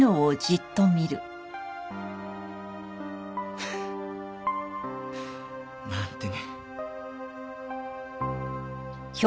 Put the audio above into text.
フッなんてね。